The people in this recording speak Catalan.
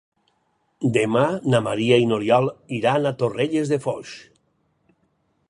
Demà na Maria i n'Oriol iran a Torrelles de Foix.